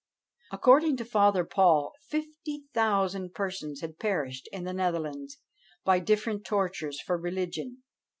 According to Father Paul, fifty thousand persons had perished in the Netherlands, by different tortures, for religion.